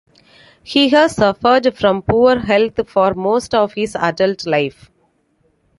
He has suffered from poor health for most of his adult life.